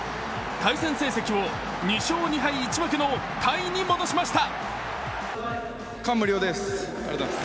対戦成績を２勝２敗１分けのタイに戻しました。